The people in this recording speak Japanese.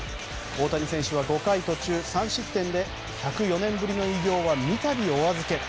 大谷選手は５回途中３失点で１０４年ぶりの偉業は三度お預け。